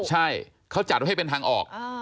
ใช่เขาจัดไว้ให้เป็นทางออก